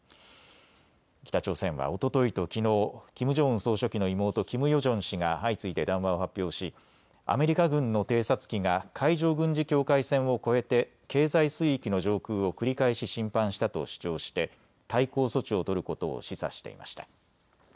北朝鮮はおとといときのうキム・ジョンウン総書記の妹、キム・ヨジョン氏が相次いで談話を発表し、アメリカ軍の偵察機が海上軍事境界線を越えて経済水域の上空を繰り返し侵犯したと主張して対抗措置を取ることを示唆していました。